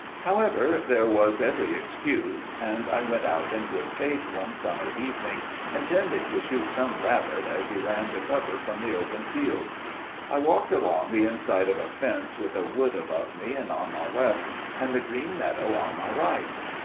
"However, there was every excuse, and I went out in good faith one summer evening intending to shoot some rabbit as he ran to cover from the open field. I walked along the inside of a fence with a wood above me and on my left, and the green meadow on my right.